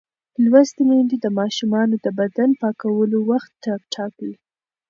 لوستې میندې د ماشومانو د بدن پاکولو وخت ټاکي.